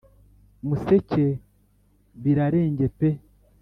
museke birarenge peee!